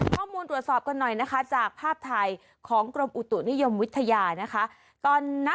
ข้อมูลตรวจสอบกันหน่อยนะคะจากภาพไทยของกรมอุตุนิยมวิทยานะคะ